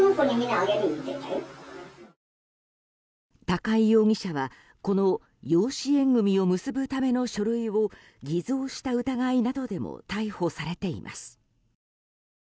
高井容疑者はこの養子縁組を結ぶための書類を偽造した疑いなどでも逮捕されています。